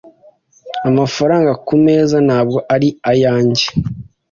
Amafaranga kumeza ntabwo ari ayanjye .